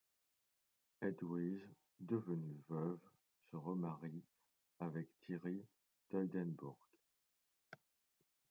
Hedwige devenue veuve se remarie avec Thierry d'Oldenbourg.